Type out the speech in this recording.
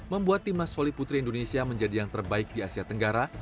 membuat timnas voli putri indonesia menjadi yang terbaik di asia tenggara